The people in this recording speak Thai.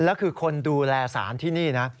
แล้วคือคนดูแลสารที่นี่นะ